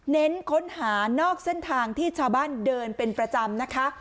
เน้นค้นหานอกเส้นทางที่ชาวบ้านเดินเป็นประจำนะคะ